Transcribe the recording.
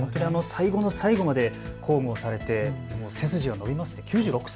最後の最後まで公務をされて背筋が伸びますね。